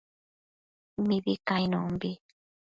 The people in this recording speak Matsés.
Mibi cainonbi